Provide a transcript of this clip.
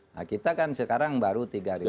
nah kita kan sekarang baru tiga sembilan ratus